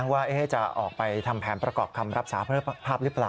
ว่าจะออกไปทำแผนประกอบคำรับสาภาพหรือเปล่า